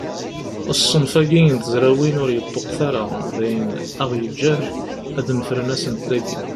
Ṣṣenf-agi n tezrawin ur yeṭṭuqet ara, d ayen aɣ-yeǧǧen ad d-nefren asentel-agi.